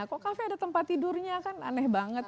kok kafe ada tempat tidurnya kan aneh banget